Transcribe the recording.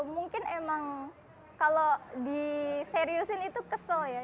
mungkin emang kalau diseriusin itu kesel ya